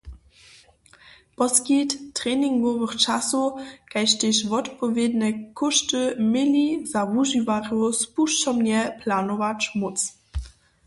Poskitk treningowych časow kaž tež wotpowědne kóšty měli za wužiwarjow spušćomnje planować móc.